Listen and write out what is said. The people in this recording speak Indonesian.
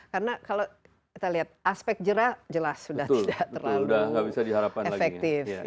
karena kalau kita lihat aspek jerah jelas sudah tidak terlalu efektif